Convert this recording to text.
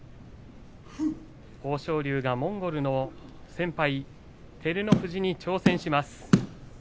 豊昇龍がモンゴルの先輩照ノ富士に挑戦します。